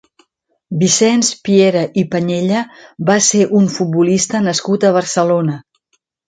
Vicenç Piera i Pañella va ser un futbolista nascut a Barcelona.